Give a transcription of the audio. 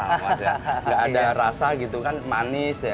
nggak ada rasa gitu kan manis ya